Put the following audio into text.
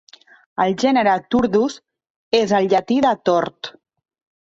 El gènere "Turdus" és el llatí de "tord".